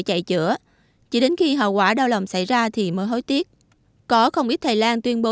chạy chữa chỉ đến khi hậu quả đau lòng xảy ra thì mới hối tiếc có không ít thái lan tuyên bố